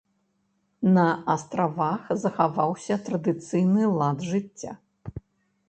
На астравах захаваўся традыцыйны лад жыцця.